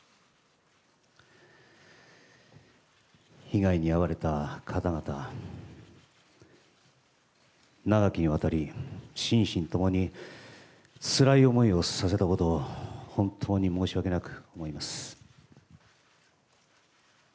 被害に遭われた方々、長きにわたり、心身ともにつらい思いをさせたこと、本当に申し訳なく思います。